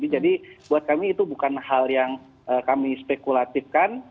jadi buat kami itu bukan hal yang kami spekulatifkan